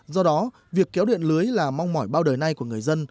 do đó việc kéo điện lưới là mong mỏi bao đời nay của người dân